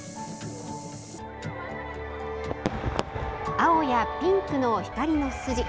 青やピンクの光の筋。